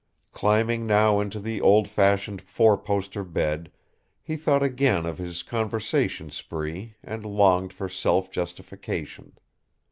Climbing now into the old fashioned four poster bed, he thought again of his conversation spree and longed for self justification.